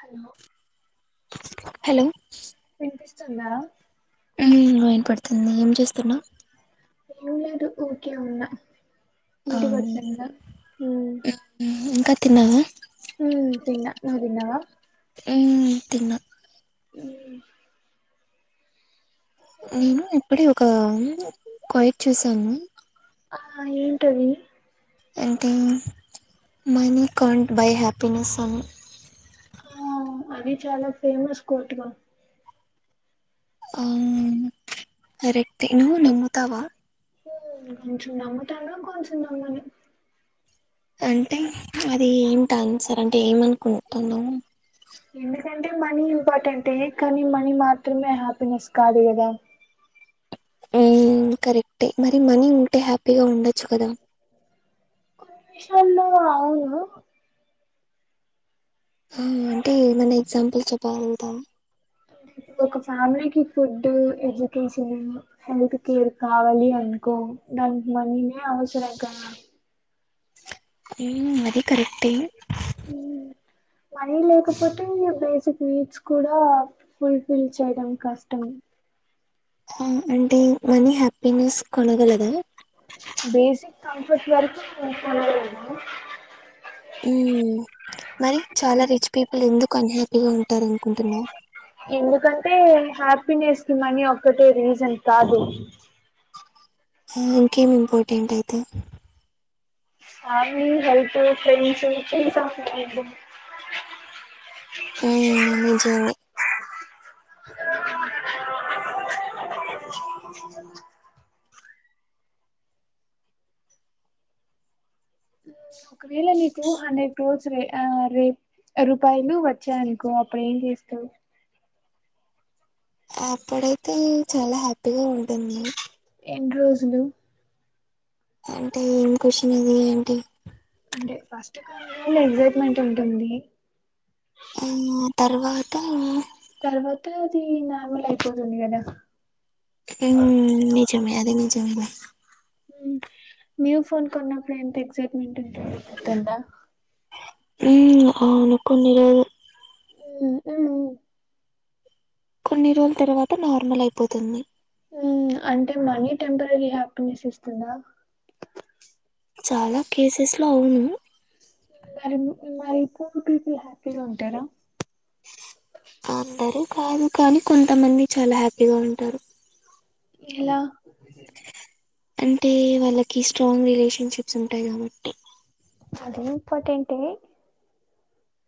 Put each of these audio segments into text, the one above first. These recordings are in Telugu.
హలో హలో వినిపిస్తుందా ఊ వినపడుతుంది ఏం చేస్తున్నావ్ ఏం లేదు ఊరికే ఉన్న ఆ ఇంటికచ్చన్న ఇంకా తిన్నావా ఊ తిన్నా నువ్వు తిన్నావా ఊ తిన్న ఊ నేను ఇప్పుడే ఒక కోయక్ చూసాను ఆ ఏంటది అంటే మనీ కంట్ బై హ్యాపీనెస్ అని ఆ అది చాలా ఫేమస్ కోట్గా ఆ కరిక్టే నువ్వు నమ్ముతావా కొంచం నమ్ముతాను కొంచం నమ్మను అంటే అది ఏంటాన్సర్ అంటే ఏమనుకుంటున్నామ్ ఎందుకంటే మనీ ఇంపార్టెంటె కానీ మనీ మాత్రమే హ్యాపీనెస్ కాదు కదా హ్మ్ కరెక్టే మరి మనీ ఉంటే హ్యాపీగా ఉండచ్చు కదా హలో అవునా ఆ అంటే ఏమన్నా ఎగ్జాంపుల్ చెప్పాలంటా ఒక ఫ్యామిలీకి ఫుడ్ ఎడ్యుకేషన్ అయినా హెల్త్ కేర్ కావాలి అనుకో దానికి మనీనే అవసరం కా హ్మ్ అది కరెక్టే హ్మ్ మనీ లేకపోతే బేసిక్ నీడ్స్ కూడా ఫుల్ ఫిల్ చేయడం కష్టం ఆ అంటే మనీ హ్యాపీనెస్ కొనగలదా బేసిక్ కంఫర్ట్ వరుకు కొనగలము హ్మ్ మరి చాలా రిచ్ పీపుల్ ఎందుకు అన్హ్యాపీగా ఉంటారు అనుకుంటున్నావ్ ఎందుకంటే హ్యాపీనెస్ కి మనీ ఒక్కటే రీజన్ కాదు ఇంకేం ఇంపార్టెంట్ అయితే family health friends peace of mind నీకేమి ఒకవేళ నీకు హండ్రెడ్ క్రోర్స్ రే ఆ రే రూపాయలు వచ్చాయనుకో అప్పుడు ఏం చేస్తావ్ అప్పుడైతే చాలా హ్యాపీగా ఉంటుంది ఎన్రోజులు అంటే ఏం క్వశ్చన్ అది ఏంటి అంటే ఫస్ట్ [unintelligible] ఎక్సైట్మెంట్ ఉంటుంది అవునా తర్వాత తర్వాత అది నార్మల్ అయిపోతుంది కదా తింగ్ నిజమే అది నిజమే లే హ్మ్ న్యూ ఫోన్ కొన్నప్పుడు ఎంత ఎక్సైట్మెంట్ ఉంటుందో గుర్తుందా హ్మ్ అవును కొన్ని రోజులు హ్మ్ హ్మ్ కొన్ని రోజుల తర్వాత నార్మల్ అయిపోతుంది హ్మ్ అంటే మనీ టెంపరరీ హ్యాపీనెస్ ఇస్తుందా చాలా కేసెస్ లో అవును మరి మరి పూర్ పీపుల్ హ్యాపీగా ఉంటారా అందరూ కాదు కానీ కొంతమంది చాలా హ్యాపీగా ఉంటారు ఎలా అంటే వాళ్ళకి స్ట్రాంగ్ రిలేషన్షిప్స్ ఉంటాయి కాబట్టి అదీ ఇంపార్టెంటే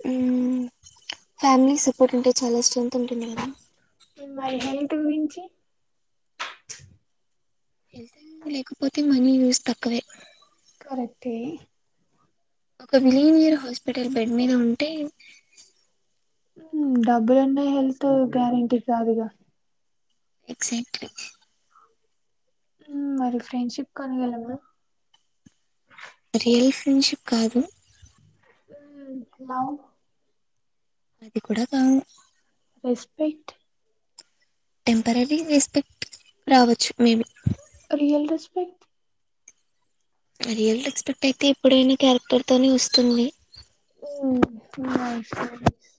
హ్మ్ ఫ్యామిలీ సపోర్ట్ ఉంటే చాలా సపోర్ట్ ఉంటుంది కదా మరి హెల్త్ గురించి హెల్త్ అని లేకపోతే మనీ యూస్ తక్కువే కరెక్టే ఒక మిలీనియర్ హాస్పిటల్ బెడ్ మీద ఉంటే డబ్బులున్నా హెల్త్ గ్యారెంటీ కాదుగా ఎక్సాక్ట్లీ హ్మ్ మరి ఫ్రెండ్షిప్ కొనగలమా. రియల్ ఫ్రెండ్షిప్ కాదు. హలో అది కూడా కాదు. రెస్పెక్ట్ టెంపరరీ రెస్పెక్ట్ రావచ్చు maybe. Real respect real respect అయితే ఎప్పుడైనా క్యారెక్టర్ తోనే వస్తుంది. హ్మ్ నైస్ నైస్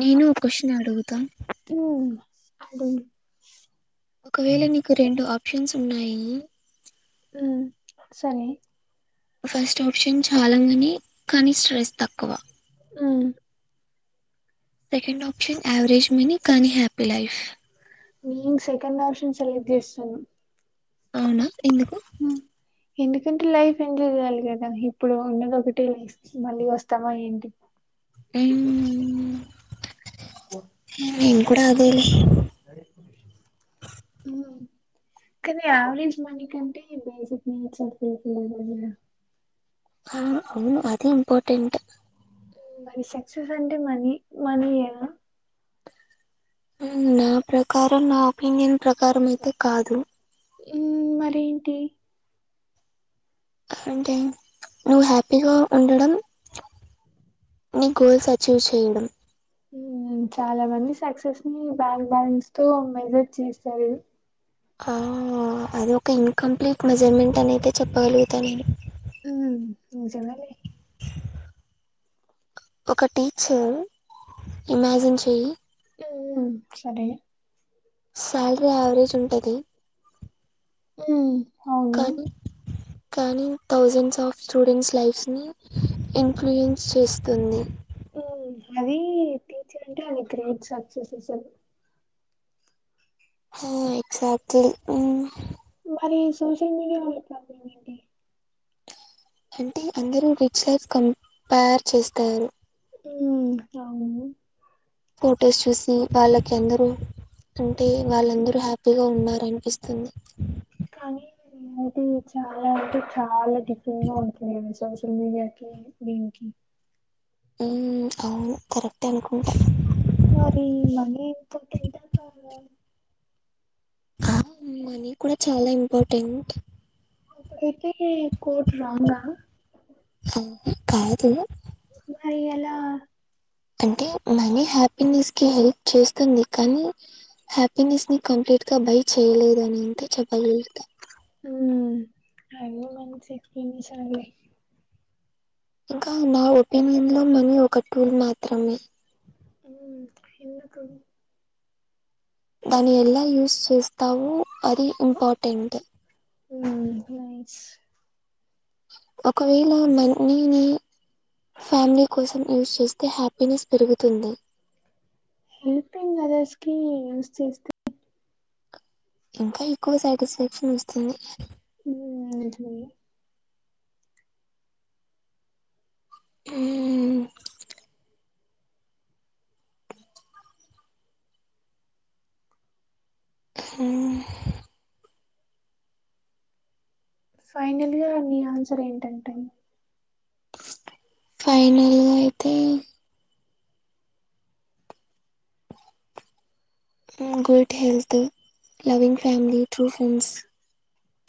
నేను ఓ క్వశ్చన్ అడుగుతా. అతను అది ఒకవేళ నీకు రెండు ఆప్షన్స్ ఉన్నాయి. ఉ సరే ఫస్ట్ ఆప్షన్ చాలా కానీ కానీ స్ట్రెస్ తక్కువ. ఆ సెకండ్ ఆప్షన్ యావరేజ్ మిని కానీ హ్యాపీ లైఫ్. నేన్ సెకండ్ ఆప్షన్ సెలెక్ట్ చేస్తను. అవునా, ఎందుకు? ఎందుకంటే లైఫ్ ఎంజాయ్ చేయాలి కదా ఇప్పుడు ఉన్నది ఒకటే లైఫ్. మళ్ళీ వస్తామా ఏంటి. నేను కూడా అదేలే. హ్ కానీ యావరేజ్ మనీ కంటే బేసిక్ నీడ్స్ అవి ఫుల్ ఫిల్ అవ్వాలిరా. ఆ అవును అది ఇంపార్టెంటే. మరి సక్సెస్ అంటే మనీ, మనీయేనా నా ప్రకారం నా ఒపీనియన్ ప్రకారం అయితే కాదు. ఏం మరేంటి? అంటే నువ్వు హ్యాపీగా ఉండడం నీ గోల్స్ అచీవ్ చేయడం. చాలా మంది సక్సెస్ ని బ్యాంక్ బ్యాలెన్స్ తో మెజర్ చేస్తారు. ఆ అది ఒక ఇన్కంప్లీట్ మెజర్మెంట్ అనయితే చెప్పగలుగుతా నేను. ఉ నిజమేలే. ఒక టీచర్ ఇమాజిన్ చెయ్యి ఉ సరే సాలరీ యావరేజ్ ఉంటది. హ్మ్ అవును కానీ కానీ థౌజండ్స్ ఆఫ్ స్టూడెంట్స్ లైఫ్స్ ని ఇన్ఫ్లుయెన్స్ చేస్తుంది. అది టీచర్ అంటే అది గ్రేట్ సక్సెస్ అస్సలు. హ ఎక్సాక్ట్లీ. మరి సోషల్ మీడియాలో ఎట్లా [inaudible] అంటే అందరు రిచ్ లైఫ్ కంపార్ చేస్తారు. తుమ్ అవును ఫొటోస్ చూసి వాళ్ళక్ ఎందరు అంటే వాళ్ళందరూ హ్యాపీగా ఉన్నారనిపిస్తుంది. కానీ అది చాలా అంటే చాలా డిఫరెంట్ గా ఉంటుంద్ అనేస్ సోషల్ మీడియాకి దీనకి ఉహ్ అవ్ కరెక్టే అనుకుంటా. మరి మనీ ఇపోటంట కదా ఆమ్ మనీ కూడా చాలా ఇంపార్టెంట్. అయితే కోట్ రాంగ్గా పో కాదు. మరి ఎలా అంటే మనీ హ్యాపీనెస్కి చేస్తుంది కానీ హ్యాపీనెస్ని కంప్లీట్ గా బై చేయలేదని అంటే చెప్పగలుగుతా. ఉహుహ్ అదే మంన్ చేపింది సర్లే ఇంకా నా ఒపీనియన్ లో మనీ ఒక టూల్ మాత్రమే. ఉహ్ ఎందుకు దాని ఎలా యూస్ చేస్తావు. అది ఇంపార్టెంట్టు ఓ నైస్ ఒకవేళ మన్ నీని ఫ్యామిలీ కోసం యూస్ చేస్తే హ్యాపీనెస్ పెరుగుతుంది. హెల్పింగ్ అదర్స్ కి యూస్ చేస్తే ఇంకా ఎక్కువ సాటిస్ఫాక్షన్ ఇస్తుంది. నువ్ అయ్యాట్లేయా హుహ్ పుహ్ ఫైనల్ గా మీ ఆన్సర్ ఏంటటన్ ఫైనల్ నాయితే good health loving family true friends.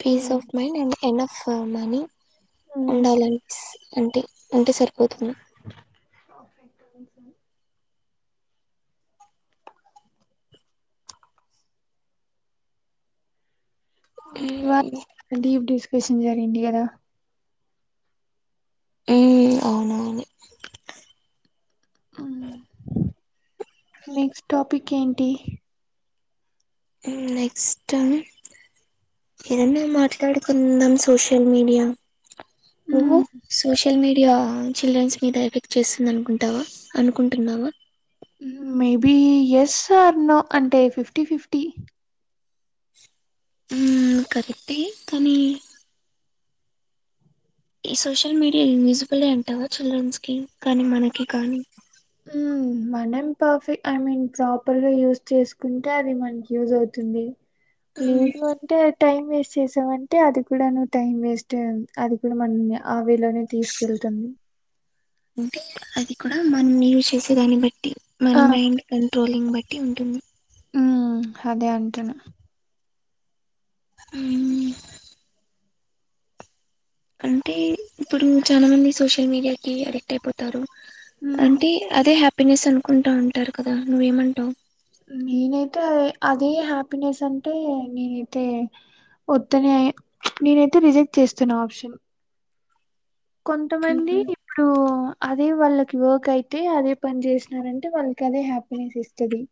Peace um. Of mind and enough money. ఉండాలంన్సప్ అంటే ఉంటే సరిపోతుంది. హేంసం కీ ఇవాళ డీప్ డిస్కషన్ జరిగింది గదా. హుహ్ అవునవును నెక్స్ట్ టాపిక్ కేంటి ఉహ్ నెక్స్ట్ అన్ ఏదన్నా మాట్లాడుకుందాం సోషల్ మీడియా. నువ్వు సోషల్ మీడియా. చిల్డ్రన్స్ మీద ఎఫెక్ట్ చేస్తుంది అనుకుంటావా అనుకుంటున్నావా. ఉహుహ్ మేబి ఎస్ ఆర్ నో అంటే ఫిఫ్టీ ఫిఫ్టీ. ఉహ్మ్ కవితి అని ఈ సోషల్ మీడియా యూజిబులే అంటావా, చిల్డ్రన్స్ కి కానీ మనకి కానీ. హుహ్ మనం పర్ఫెక్ట్ ఐ మీన్ ప్రాపర్ గ యూస్ చేసుకుంటే అది మనకి యూజ్ అవుతుంది లేదు అంటే టైం వేస్ట్ చేసామంటే అది కూడా నువ్వు టైం వేస్ట్ అది కూడా మనల్ని ఆ వేలోనే తీసుకెళ్తుంది అంటే అది కూడా మనం యూస్ చేసే దాన్ని బట్టి మన ఆ, మైండ్ కంట్రోలింగ్ బట్టి ఉంటుంది ఉమ్ అదే అంటున్న ఉమ్ అంటే ఇప్పుడు చాలా మంది సోషల్ మీడియాకిి అడిక్ క్ట్ అయిపోతారు మ్మ్. అంటే అదే హ్యాపీనెస్ అనుకుంటా ఉంటారు కదా నువ్వేమంటవు నేనైతే అదే హ్యాపీనెస్ అంటే నేనైతే వొద్దనే నేనైతే రిజెక్ట్ చేస్తున్నా ఆప్షన్ కొంతమంది ఇప్పుడూ అదే వాళ్ళకి వర్క్ అయితే అదే పని చేసినారంటే వాళ్ళకి అదే హ్యాపీనెస్ ఇస్తది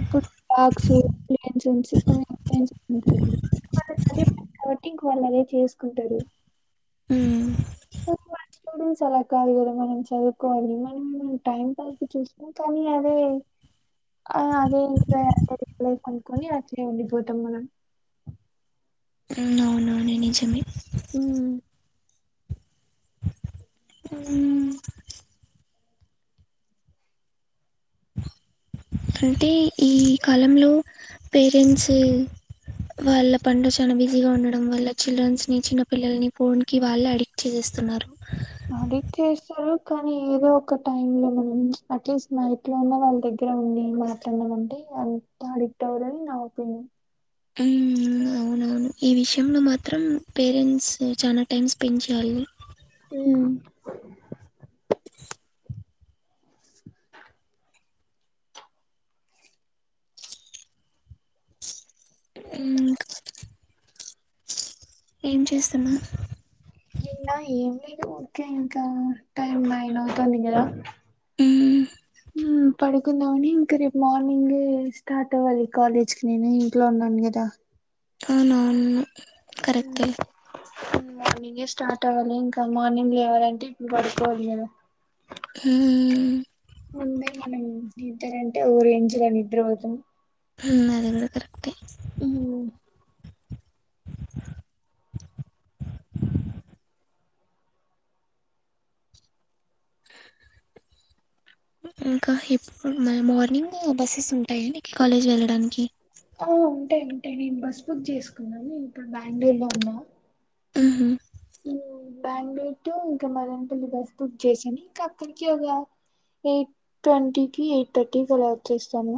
ఇప్పుడు పార్క్స్, ప్లే జోన్స్ [unintelligible] ఉంటది కదా కాబట్టి ఇంక వాళ్ళదే చేసుకుంటరు మర్చుకోవడం అలా కాదు కదా మనం చదువుకోవాలి మనమేమన్న టైం పాస్ కి చూస్కో కని అదే ఆ అదే ఇంగా అదే కొనుక్కొని అట్నే ఉండిపోతాం మనం ఉమ్ అవునువున్ ది నిజమే ఉమ్ ఉమ్ అంటే ఈ కాలంలో పేరెంట్స్ వాళ్ళ పనిలో చానా బిజీగా ఉండడం వల్ల చిల్డ్రన్స్ ని చిన్న పిల్లల్ని ఫోన్ కి వాళ్ళే అడిక్ట్ చేసేస్తున్నారు ఆడిట్ చేసారు కానీ ఏదో ఒక టై లో మనం అట్లీస్ట్ మై ట్లా ఉన్న వాళ్ళ దగ్గర ఉండి మాట్లాడనమ అంటే అంత అడిక్ట్ అవరని నా ఒపీనియన్ ఉమ్ అ అవునవును ఈ విషయంలో మాత్రం పేరెంట్స్ చాలా టైం స్పెండ్ చేయ్యాలి ఉమ్ ఉమ్ ఏం చేస్తున్నావ్ ఇంగ ఏం లేదు ఓకే ఇంకా టైమ్ నయిన్ అవుతుంది కదా ఉమ్ ఉమ్ పడుకుందామని ఇంక రేపు మార్నింగే స్టార్ట్ అవ్వాలి కాలేజ్ కి నేను ఇంట్లో ఉన్నాను కదా అవునువును కరెక్ట్ ఉమ్ మార్నింగే స్టార్ట్ అవ్వాలి ఇంకా మార్నింగ్ లేవాలంటే ఇప్పుడు పడుకోవాలి గదా హ్మ్ అంతే ఇంగ నిద్దరంటే ఓ రేంజ్ ల నిద్ర పోతాం హ్మ్ అదిగుడ కరెక్ట్ హ్మ్ ఇంకా ఎప్పుడు మా మార్నింగు బస్సెస్ ఉంటాయ మీకు కాలేజ్ వెళ్ళడానికి ఉ ఉంటాయి ఉంటాయి నేను బస్ బుక్ చేసుకున్నాను నే ఇప్పుడు బెంగళూరులో ఉన్నా ఆహా బెంగళూరు టు ఇంకా మదనపల్లి బస్ బుక్ చేసుకొని ఇంకా అక్కడికేనా ఎయిట్ ట్వంటీకిి ఎయిట్ థర్టీకిలా వచ్చేస్తాము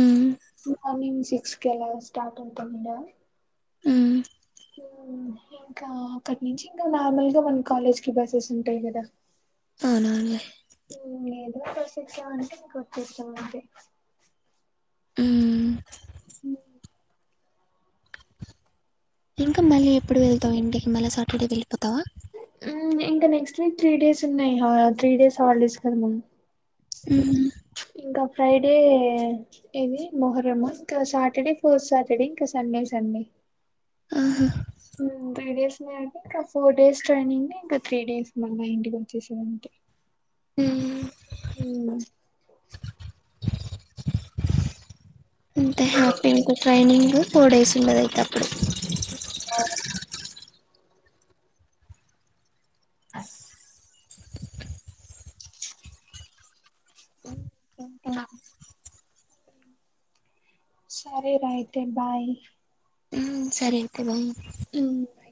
మ్ హు మార్నింగ్ సిక్స్ కలా స్టార్ట్ అవుతాం ఇడ మ్ ఇంకా అక్కడి నుంచి ఇంకా నార్మల్ గా మన కాలేజ్ కి బస్సెస్ ఉంటాయి కదా ఔను ఔనులే ఏదో బస్సు ఎక్కామంటే నువ్వు గుర్తొచ్చావు అంతే మ్ ఉ ఇంకా మళ్ళీ ఎప్పుడు వెళ్తావు ఇంటికి మళ్ళీ సాటర్డే వెళ్ళిపోతావా ఇంకా నెక్స్ట్ వీక్ త్రీ డేస్ ఉన్నాయి ఆ త్రీ డేస్ హాలిడేస్ కద మమ్ మ్ ఇంకా ఫ్రైడే ఏది మొహ్రమా ఇంకా సాటర్డే ఫోర్ సాటర్డే ఇంకా సండే సండే ఆహా మ్ త్రీ డేస్నే అంటే ఇంకా ఫోర్ డేస్ ట్రైనింగ్ ఇంకా త్రీ డేస్ మళ్ళ ఇంటికి వచ్చేస్తా అంతే మ్ మ్ ఎంత హ్యాపీ ఇంకా ట్రైనింగ్ ఫోర్ డేస్ ఉన్నది ఇంకా అప్పుడు ఓ [unintelligible] ఇంకానా సరే రా అయితే బాయ్ సరే అయితే బాయ్ మ్